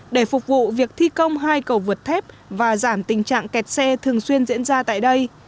để phục vụ việc thi công hai cầu vượt thép và giảm tình trạng kẹt xe thường xuyên diễn ra tại đây